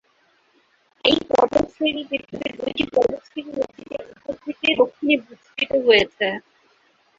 এই পর্বতশ্রেণী পৃথিবীর দুইটি পর্বতশ্রেণীর একটি যা উত্তর থেকে দক্ষিণে বিস্তৃত হয়েছে।